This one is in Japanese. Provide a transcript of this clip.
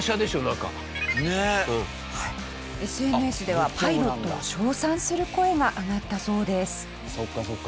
ＳＮＳではパイロットを称賛する声が上がったそうです。